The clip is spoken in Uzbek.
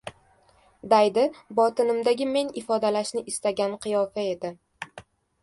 Daydi – botinimdagi men ifodalashni istagan qiyofa edi.